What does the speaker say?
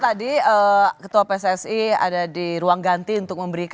dan kita bisa fight back